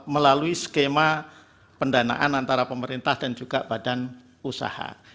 melalui skema pendanaan antara pemerintah dan juga badan usaha